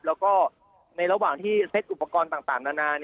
แล้วก็ในระหว่างที่เซ็ตอุปกรณ์ต่างนานา